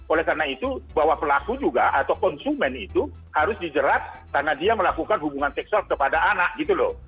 oleh karena itu bahwa pelaku juga atau konsumen itu harus dijerat karena dia melakukan hubungan seksual kepada anak gitu loh